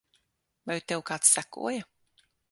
Vai tev kāds sekoja?